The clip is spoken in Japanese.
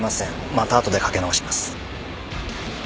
また後でかけ直します。